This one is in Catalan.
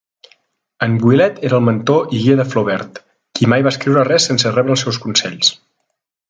En Bouilhet era el mentor i guia de Flaubert, qui mai va escriure res sense rebre els seu consell.